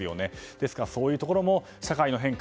ですからそういうところも社会の変化